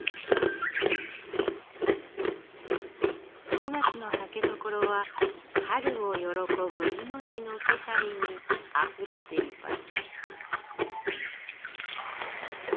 ５月の竹所は春を喜ぶ命の気配にあふれています。